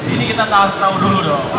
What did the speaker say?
ini kita harus tahu dulu